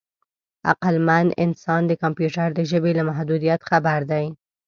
عقلمن انسان د کمپیوټر د ژبې له محدودیت خبر دی.